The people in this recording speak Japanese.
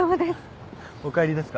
お帰りですか？